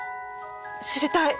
知りたい！